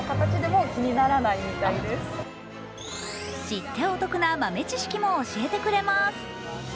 知ってお得な豆知識も教えてくれます。